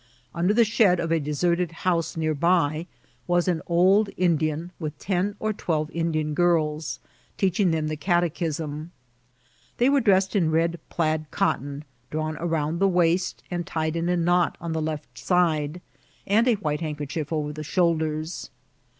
Under the shed of a deserted house near by was an old Indian with ten or twelve In dian girls, teaching them the catechism. They were dressed in red plaid cotton, drawn round the waist and tied in a knot on the left side, and a white handker chief over the shoulders.